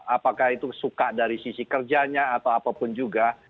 apakah itu suka dari sisi kerjanya atau apapun juga